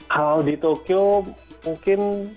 kalau di tokyo mungkin